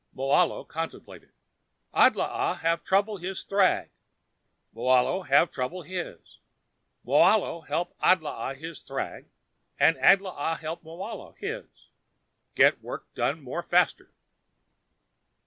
Moahlo contemplated. "Adlaa have trouble his thrag. Moahlo have trouble his. Moahlo help Adlaa his thrag and Adlaa help Moahlo his. Get work done more faster."